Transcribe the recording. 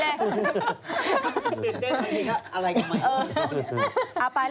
ตื่นเต้นค่ะอะไรกันบ้าง